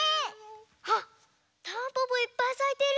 あったんぽぽいっぱいさいてる！